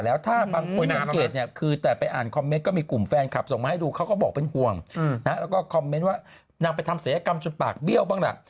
แล้วก็คอมเมนต์ว่านางไปทำศัยกรรมจนปากเบี้ยวบ้างละ